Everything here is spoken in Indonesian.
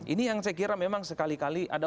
ini yang saya kira memang sekali kali ada